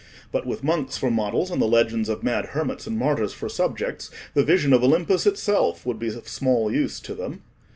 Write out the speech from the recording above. But with monks for models, and the legends of mad hermits and martyrs for subjects, the vision of Olympus itself would be of small use to them."